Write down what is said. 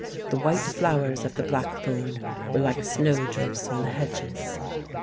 The white flowers of the blackthorn were like snowdrifts on the hedges.